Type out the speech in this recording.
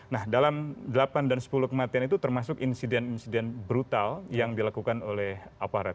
nah dalam delapan dan sepuluh kematian itu termasuk insiden insiden brutal yang dilakukan oleh aparat